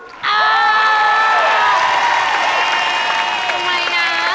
ทำไมนะ